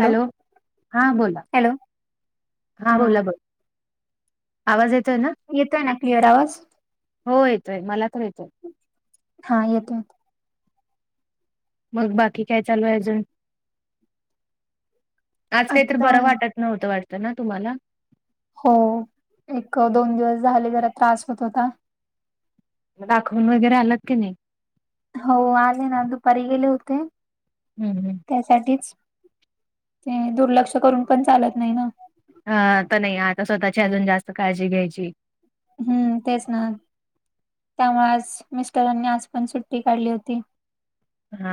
Hello हा बोला hello हा बोला ब आवाज येतोय ना येतोय ना पिअर आवाज हो येतोय मला तर येतोय हा येतोय मग बाकी काय चालू आहे अजून आज काहीत आता बरं वाटत नव्हतं वाटतं ना तुम्हाला हो एक दोन दिवस झाले जरा त्रास होत होता दाखवून वगैरे आलात की नाही हो आले ना दुपारी गेले होते ह ह त्यासाठीच ते दुर्लक्ष करून पण चालत नाही ना अ तर नाही आता स्वतःची अजून जास्त काळजी घ्यायची हम्म तेस ना त्यामुळे आज मिस्टरांनी आज पण सुट्टी काढली होती हा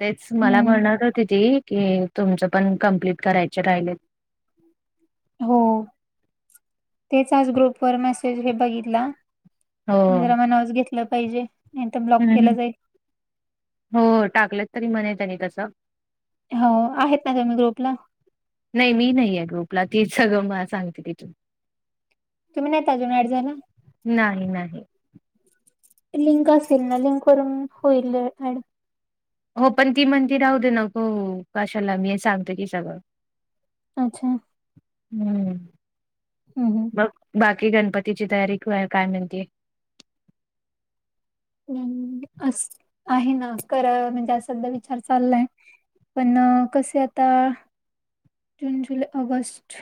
तेच मला हम्म म्हणत होती ती की तुमचं पण कम्प्लीट करायचे राहिले हो तेच आज ग्रुप वर मेसेज हे बघितला हो जरामा नवास घेतलं पाहिजे नाही तर ब्लॉक केलं हम्म जाईल हो टाकलंत तरी म्हणे त्यांनी तस हो आहेत ना तुम्ही ग्रुपला नाही मी नाहीे ग्रुपला तीच सगळं म सांगते तिथून तुम्ही नाहीत अजून आड झाला नाही नाही लिंक असेल ना लिंक वून होईलड हो पण ती म्हणी राहते नको कशाला मी सांगत की सगळं अच्छा हम्म हम् हम् बाकी गणपतीची तयारी काय म्हणते हम् अस आहे ना ख म्हणजे असधा विचार चाललाय पण कसे आता जून, जुलै, ऑगस्ट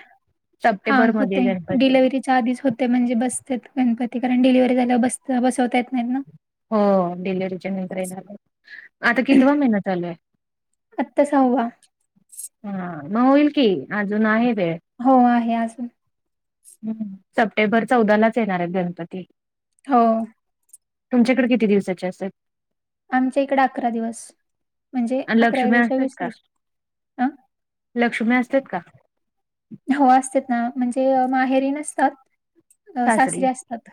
हा सप्टेंबर मध्ये होते. गणपती डिलेवरीत त्या आधीच होते. म्हणजे बसत्यात गणपती. कारण डिलिव्हरी झाल्यावर बस बसवता येत नाहीत ना. हो डिलेवरीच्या नंतर येणार. आता कितवा महिना चालू आहे. आत्ता सहावा. हा मग होईल की अजून आहे वेळ. हो आहे अजून हम्म सप्टेंबर चौदालाच येणार आहेत गणपती. हो. तुमच्याकडे किती दिवसाचे असतात. आमच्या इकडे अकरा दिवस. म्हणजे आणि अकराव्या लक्ष्मी दिवशी विसर्जन. अ लक्ष्म्या असतात का? हो असतात ना. म्हणजे माहेरी नसतात. अ, सासरी. असतात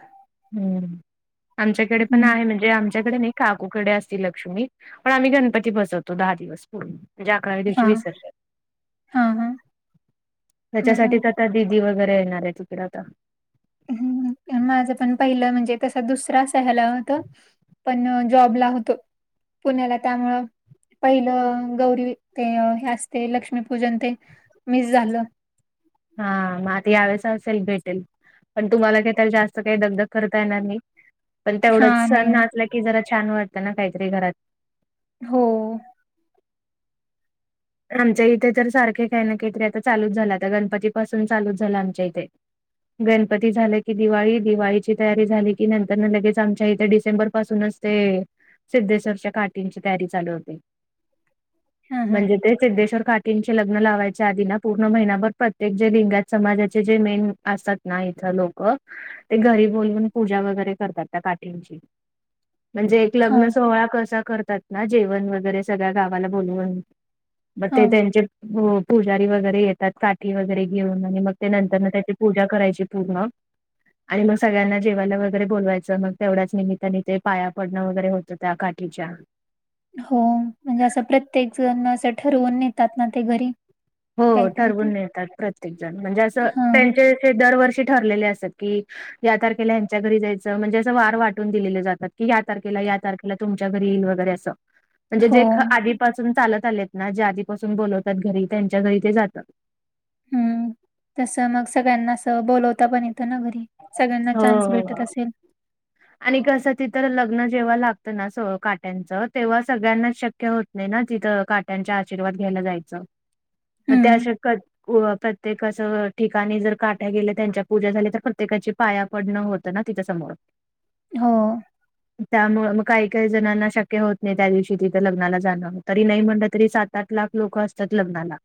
हम्म आमच्याकडे पण हं आहे म्हणजे आमच्याकडे नाही काकूकडे असती लक्ष्मी. पण आम्ही गणपती बसवतो दहा दिवस. म्हणजे अकराव्या दिवशी हा विसर्जन. ‌‌ हा हा बरं त्याच्यासाठीच आता दिदी वगैरे येणार आहेत. इकडे आता. हम्म माझ पण पहिल म्हणजे तसा दुसरा अस ह्याला होत. पण जॉबला होतो पुण्याला त्यामुळ पहिल गौरी ते हे असते लक्ष्मीपूजन. ते मिस झाल. हा मग आता यावेळेस असेल भेटेल. पण तुम्हाला का त जास्त काही दगधग करता येणार नाही. पण हा तेवढच नाही सण ना असला की जरा छान वाटत ना काहीतरी घरात. हो आमच्या इथे तर सारखे काही ना काहीतरी आता चालूच झाल. आता गणपती पासून चालूच झाल आमच्या इथे. गणपती झालं की दिवाळी. दिवाळीची तयारी झाली की नंतर लगेच आमच्या इथे डिसेंबर पासूनच ते सिद्धेश्वरच्या काठींची तयारी चालू होते. हा हा म्हणजे ते सिद्धेश्वर काटींचे लग्न लावायच्या आधी ना पूर्ण महिनाभर प्रत्येक जे लिंगायत समाजाचे जे मेन असतात ना इथं लोक. ते घरी बोलून पूजा वगैरे करतात त्या काठींची. [unintelligible] [inaudible] म्हणजे एक हा लग्न सोहळा कसा करतात ना जेवण वगैरे सगळ्या गावाला बोलवुन मग हा ते त्यांचे पुजारी वगैरे येतात काठी वगैरे घेऊन. आणि मग ते नंतरन ते त्याचे पूजा करायची पूर्ण. आणि मग सगळ्यांना जेवायला वैगरे बोलवायचं मग तेवढ्याच निमित्ताने ते पाया पडण वगैरे होत. त्या काठीच्या हो म्हणजे असं प्रत्येक जण असं ठरवून नेतात ना ते घरी. हो काहीतरी ठरवून ते नेतात प्रत्येक जण. म्हणजे असं हा त्यांचे दरवर्षी ठरलेले असतात की या तारखेला हच्या घरी जायचं. म्हणजे असं वार वाटून दिलेल जातात. की या तारखेला या तारखेला तुमच्या घरी येईल वगैरे अस. म्हणजे हो जे आधीपासून चालत आलेत ना, जे आधीपासून बोलवतात घरी त्यांच्या घरी ते जातात. हम्म तसं मग सगळ्यांना अस बोलवता पण येत ना घरी. सगळ्यांना हो चान्स भेटत असेल आणि कसं तिथं लग्न जेव्हा लागतं ना स काट्यांचं तेव्हा सगळ्यांनाच शक्य होत नाही ना तिथं काट्यांच्या आशीर्वाद घ्यायला जायचं. मग हम्म त्यासकड प्रत्येक असं ठिकाणी जर काट्या गेल्या त्यांच्या पूजा झाल्या तर प्रत्येकाची पाया पडणं होतं ना तिच्या समोर. हो [inaudible] त्यामुळ मग काही काही जणांना शक्य होत नाही त्या दिवशी तिथे लग्नाला जाण. तरी नाही म्हटलं तरी सात सात लाख लोक असतात लग्नाला.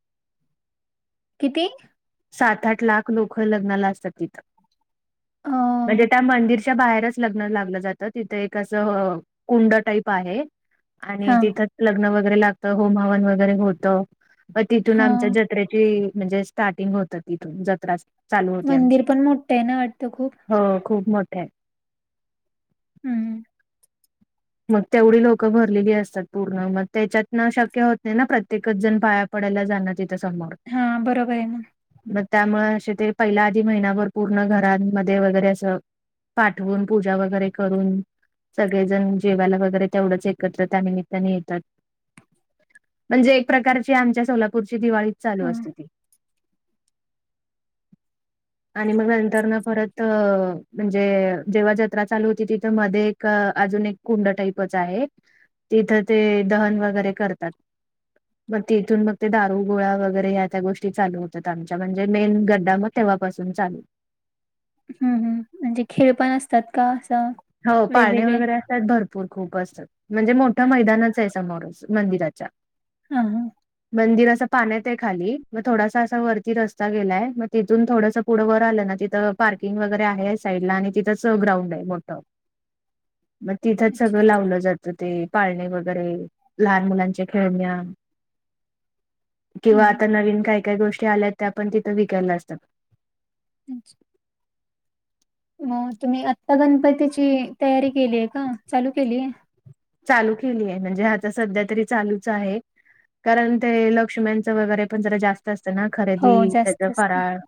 किती? सात आठ लाख लोकं लग्नाला असतात तिथं. आ. म्हणजे त्या मंदिरच्या बाहेरच लग्न लावलं जातं, तिथं एक असं कुंड टाईप आहे. आणि हा तिथंच लग्न वगैरे लागतं, होम हवन वगैरे होतं, तिथून हा आमच्या जत त्रेची म्हणजे स्टार्टिंग होते तीथून जत्रा असते. मंदिर पण मोठं आहे ना वाटतं खूप हो खूप मोठ हाय. हम्. मग तेवढी लोकं भरलेली असतात, पूर्ण मग त्याच्यात ना शक्य होत नाही ना प्रत्येकच जण पाया पडायला जाण तिथ समोर हा बरोबर आहे मग मग त्यामुळे असे ते, पहिल्या आधी महिनाभर पूर्ण घरांमध्ये वगैरे असं. पाठवून पूजा वगैरे करून सगळेजण जेवायला वगैरे तेवढंच एकत्र त्या निमित्ताने येतात. म्हणजे एक प्रकारची आमच्या सोलापूरची दिवाळीच चालू हा असते ती [inaudible] आणि मग नंतर न परत म्हणजे, जेव्हा जत्रा चालू होती तिथं मध्ये का अजून एक कुंड टाईपच आहे, तिथं ते दहन वगैरे करतात. मग तिथून मग ते दारू गोळा वगैरे ह्या त्या गोष्टी चालू होतात. आमच्या म्हणजे मेन गद्दा म तेव्हापासून चालू. हुं हुं म्हणजे खेळ पण असतात का असं? हो पाळणे वेगवेगळे वगैरे असत्यात भरपूर खूप असतात, म्हणजे मोठ मैदानाच आहे समोर मंदिराच्या हा हां. मंदिर अस पाण्यात हाय खाली, मग थोडासा असा वरती रस्ता गेलाय मग तिथून थोडस पुढं पुढं वर आलं ना तिथं पार्किंग वगैरे आहे, साईडला आणि तिथंच ग्राउंड आहे मोठं मग तिथंच अच्छा सगळं लावलं जातं ते, पाळणे वगैरे लहान मुलांच्या खेळण्या किंवा हम्म आता नवीन काय काय गोष्टी आल्यात, त्यापण तिथं विकायला असतात. अच्छा. मअ तुम्ही आत्ता गणपतीची तयारी केलीय का? चालू केलीय. चालू केलीय आहे म्हणजे आता सध्या तरी चालूच आहे. कारण ते लक्ष्म्यांचं वगैरे पण जरा जास्त असतं ना, हो खरेदी त्याच जास्त असत फराळ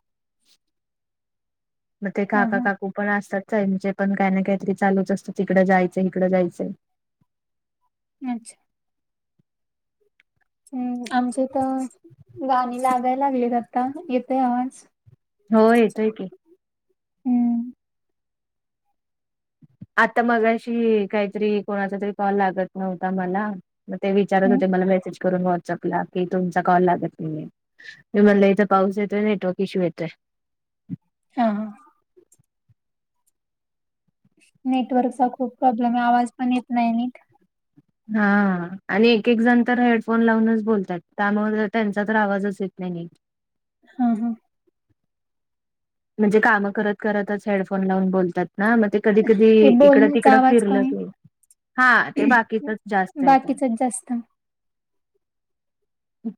म ते हा काका हा काकू पण असतात सांगलीचे पण काय ना काहीतरी चालूच असतंय तिकड जायचंय, हीकडं जायचंय. अच्छा. हम्म आमचे इथ गाणी लागाय लागलेत आता येतोय आवाज होय येतोय की हम्म. आता मगाशी काहीतरी कोणाचा तरी कॉल लागत नव्हता मला मग ते विचारत हम्म होते मला मेसेज करून व्हॉट्सअपला, की तुमचा कॉल लागत नाहीए मी म्हणलं इथं पाऊस येतोय, नेटवर्क इश्यू येतोय. हा हा. नेटवर्कचा खूप प्रॉब्लेम आहे. आवाज पण येत नाही नीट हा आणि एक एक जण तर हेडफोन लावूनच बोलतात, त्यामुळे त्यांचा तर आवाजच येत नाही नीट हा हा. म्हणजे कामं करत करतच हेडफोन लावून बोलतात ना मग ते कधी कधी ते इकड बोलण्याचा तिकडं आवाज फिरलं कमी की हा ते बाकीतच जास्त येत. बाकीचच जास्त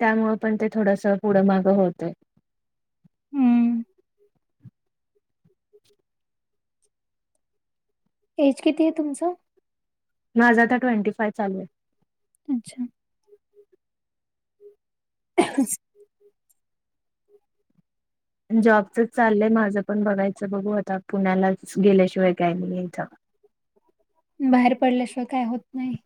त्यामुळे पण ते थोडस पुढं मागं होते. हम्म एज किती आहे तुमचं माझा आ ट्वेंटी फायव चालू आहे. अच्छा ह जॉबचच चालय माझं पण बघायचं बघू आता पुण्यालाच गेल्याशिवाय काय नाही इथं बाहेर पडल्याशिवाय काय होत नाही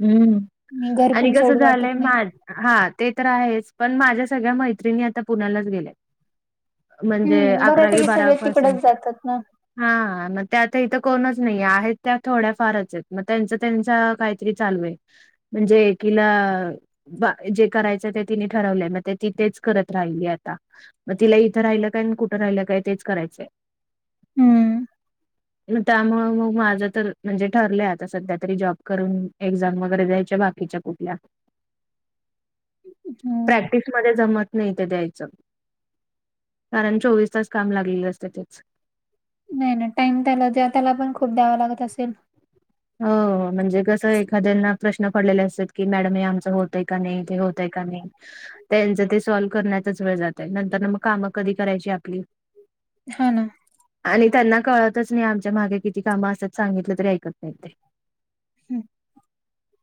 हम्म. आणि घर पण कसं सोड झालंय वाटत नाही. माझ हा ते तर आहेच पण माझ्या सगळ्या मैत्रिणी आता पुण्यालाच गेल्या म्हणजे हम्म अकरावी बऱ्यापैकी बारावी सगळे तिकडच पर्सेंट जातात ना. हा मग त्या आता इथं कोणच नाही आहेत त्या थोड्या फारच आहेत म. त्यांच त्यांचा काहीतरी चालू आहे म्हणजे एकीला बा जे करायचं ते तिने ठरवलंय मग ते ति तेच करत राहिली आता मग तिला इथं राहिलं काय कुठं राहिलं काय तेच करायचंय. हम्म मग त्यामु मग माझं तर म्हणजे ठरले. सध्या तरी जॉब करून एक्झाम वगैरे द्यायच्या बाकीच्या कुठल्या हम्म प्रॅक्टिसमध्येध्ये जमत. नाही ते द्यायचं कारण चोवीस तास काम लागलेलं असते तेच नाही ना टाइम त्याला ज त्याला पण खूप द्यावा लागत असेल. हो म्हणजे कस एखाद्याना प्रश्न पडलेले असतात की मॅडम हे आमचं होत आहे का नाही ते होतय का नाही. त्यांचं ते सॉल्व करण्याचाच वेळ जाते नंतर मग कामं कधी करायची आपली हा ना आणि त्यांना कळतच नाही आमच्या मागे किती कामं असतात सांगितलं तरी ऐकत ओके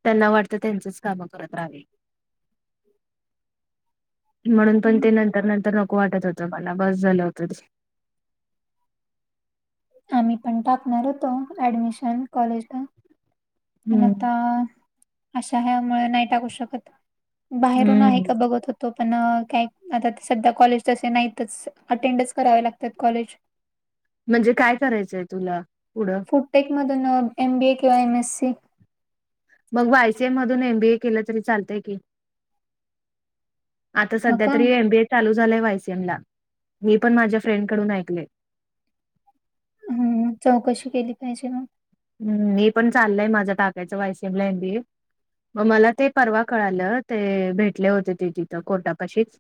त्यांना वाटतं त्यांचच काम करत राहावी. म्हणून पण हम्म. ते नंतर नंतर नको वाटत होतं मला बस झालं होतं ते. मी पण टाकणार होतो ऍडमिशन कॉलेजला पण हम्म आता अशा ह्या मुळे नाही टाकू शकत. बाहेरून आहे हम्म का बघत हो तो पण काय आता सध्या कॉलेज तसे नाहीतच अटेंडच करावे लागतात कॉलेज म्हणजे काय करायचंय तुला पुढं होटेकमधून एम बी ए किंवा एम एस सी मग आयसीएम मधून एम बीए केलं तरी चालतय की आता ह सध्या का तरी एमबीए चालू झालाय वायसीएम ला हेी पण माझ्या फ्रेंडकडून ऐकले. हम् चौकशी केली पाहिजे मग हम् मी पण चालय माझ्या टाकायचं वायशिमला म मला ते परवा कळालं ते भेटले होते ते तिथं कोर्टापाशीच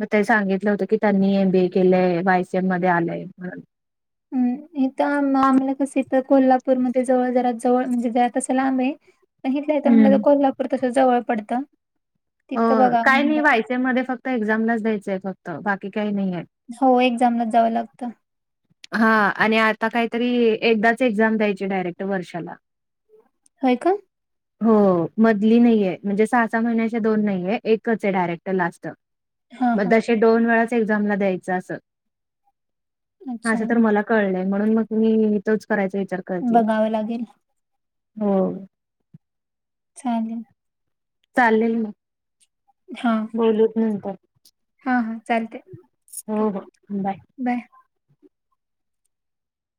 मग ते सांगितलं होतं की त्यांनी एम बी ए केलंय बायसीएम मध्ये आलंय. हम् [inaudible] आम्हाला कस इ कोल्हापूरमध्ये जवळ ज जवळ म्हणजे ज तं लांब आहे. पण इथलं तर म्हणल तर हम्म कोल्हापूर तस जवळ पडतं. हो तिथं बघा काय नाही म्हणलं व्हायचे मध्ये फक्त एक्झामलाच द्यायचंय फक्त बाकी काही नाही आहे. हो एक्झामलाच जावं लागतं. हा आणि आता काहीतरी एकदाच एक्झाम द्यायची डायरेक्ट वर्षाला होय का [inaudible] हो मधली नाहीये म्हणजे सहा सहा महिन्याच्या दोन नाहीे एकच आहे डायरेक्टर लास्ट हा मग हा तसे दोन वेळाच एक्झामला द्यायचं असल. हा अच्छा असं तर मला कळलंय म्हणून मग मी तोच करायचा विचार करतेय. बघावं लागेल हो चालेल. चालेल मग. हा बोलूत नंतर हा हा चालतयं. हो हो बाय. बाय